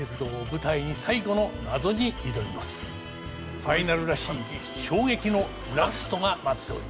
ファイナルらしい衝撃のラストが待っております。